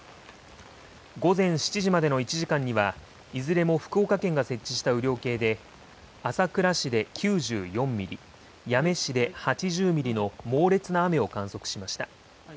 午前７時までの１時間には、いずれも福岡県が設置した雨量計で朝倉市で９４ミリ、八女市で８０ミリの猛烈な雨を観測しました。